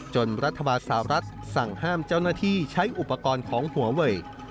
รัฐบาลสาวรัฐสั่งห้ามเจ้าหน้าที่ใช้อุปกรณ์ของหัวเวย